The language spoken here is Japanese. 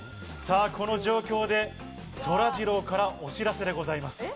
この状況で、そらジローからお知らせでございます。